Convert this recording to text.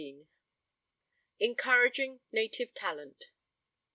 ENCOURAGING NATIVE TALENT.